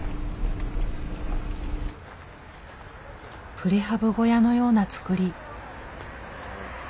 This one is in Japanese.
プレハブ小屋のような造り。